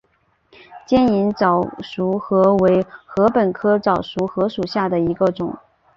尖颖早熟禾为禾本科早熟禾属下的一个种。